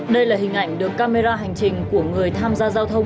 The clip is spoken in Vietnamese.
đây là hình ảnh được camera hành trình của người tham gia giao thông